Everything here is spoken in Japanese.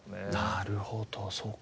なるほどそうか。